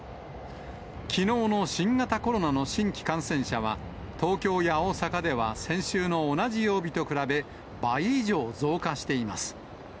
きのうの新型コロナの新規感染者は、東京や大阪では先週の同じ曜日と比べ、倍以上増加しています。